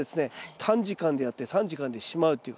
短時間でやって短時間でしまうっていうか。